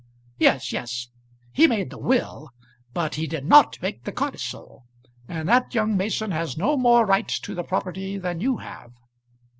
"Yes, yes; he made the will; but he did not make the codicil and that young Mason has no more right to the property than you have."